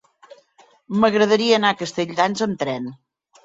M'agradaria anar a Castelldans amb tren.